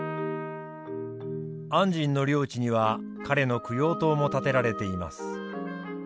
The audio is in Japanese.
按針の領地には彼の供養塔も建てられています。